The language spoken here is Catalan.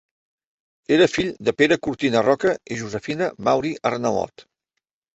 Era fill de Pere Cortina Roca i Josefina Mauri Arnalot.